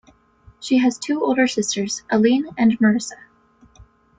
She has two older sisters, Aileen and Marisa.